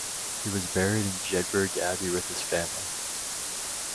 He was buried in Jedburgh Abbey with his family.